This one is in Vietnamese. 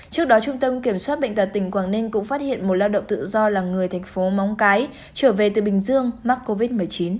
trước đó trung tâm kiểm soát bệnh tật tỉnh quảng ninh cũng phát hiện một lao động tự do là người thành phố móng cái trở về từ bình dương mắc covid một mươi chín